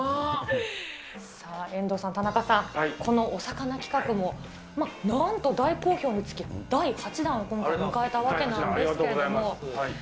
さあ、遠藤さん、田中さん、このおさかな企画も、なんと大好評につき、第８弾を今回、迎えたわけなんですけれども。